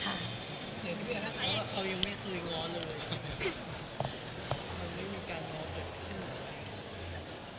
เขายังไม่คุยง้อเลย